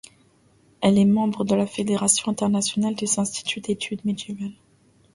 Elle est membre de la Fédération internationale des instituts d'études médiévales.